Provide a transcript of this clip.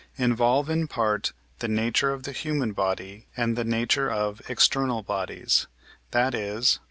involve in part the nature of the human body and the nature of external bodies; that is (II.